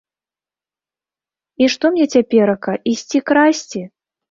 І што мне цяперака, ісці красці?